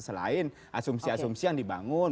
selain asumsi asumsi yang dibangun